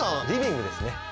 リビングですね。